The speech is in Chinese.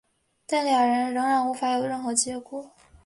但两人仍然无法有任何结果。